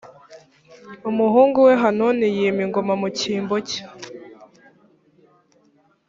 umuhungu we hanuni yima ingoma mu cyimbo cye